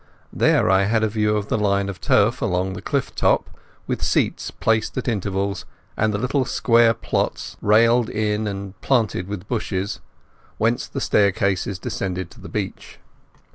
There I had a view of the line of turf along the cliff top, with seats placed at intervals, and the little square plots, railed in and planted with bushes, whence the staircases descended to the beach.